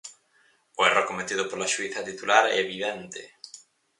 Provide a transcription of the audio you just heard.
O erro cometido pola xuíza titular é evidente.